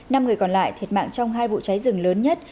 năm người còn lại thiệt mạng trong hai vụ cháy rừng lớn nhất